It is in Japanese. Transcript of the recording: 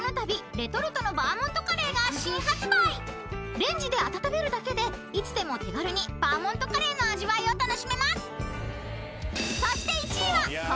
［レンジで温めるだけでいつでも手軽にバーモントカレーの味わいを楽しめます］